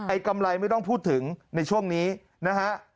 กำไรไม่ต้องพูดถึงในช่วงนี้นะฮะ